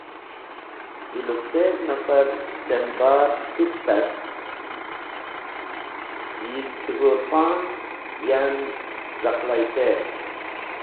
Yi lupter nafar dem bar s̃hitik cart, yi cũbũrpanz̃ yan z̃aqlayter.